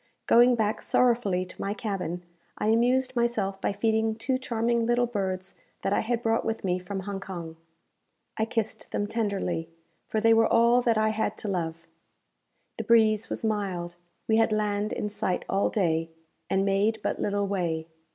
Going back sorrowfully to my cabin, I amused myself by feeding two charming little birds that I had brought with me from Hong Kong. I kissed them tenderly: for they were all that I had to love. The breeze was mild; we had land in sight all day, and made but little way.